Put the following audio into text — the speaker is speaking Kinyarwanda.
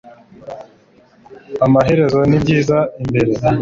amaherezo ni byiza imbere